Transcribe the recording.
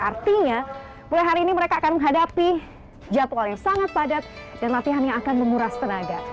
artinya mulai hari ini mereka akan menghadapi jadwal yang sangat padat dan latihan yang akan menguras tenaga